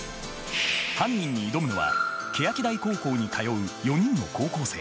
犯人に挑むのは欅台高校に通う４人の高校生。